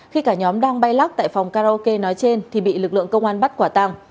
khi cả nhóm đang bay lắc tại phòng karaoke nói trên thì bị lực lượng công an bắt quả tàng